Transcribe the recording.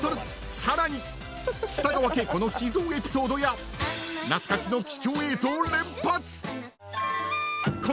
更に、北川景子の秘蔵エピソードや懐かしの貴重映像連発。